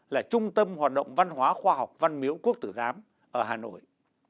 là trung tâm hoạt động văn hóa khoa học văn miễu quốc tử gám ở hà nội